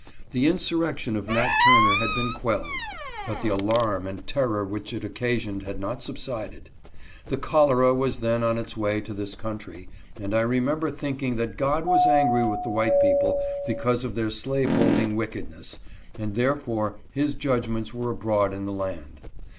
The insurrection of Nat. Turner had been quelled, but the alarm and terror which it occasioned had not subsided. The cholera was then on its way to this country, and I remember thinking that God was angry with the white people because of their slaveholding wickedness, and therefore his judg ments were abroad in the land.